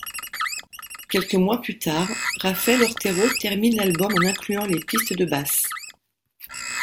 Quelques mois plus tard, Rafael Otero termine l'album en incluant les pistes de basse.